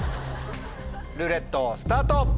ルーレットスタート。